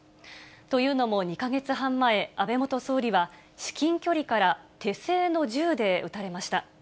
というのも、２か月半前、安倍元総理は至近距離から手製の銃で撃たれました。